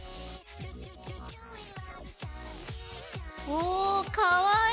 おかわいい！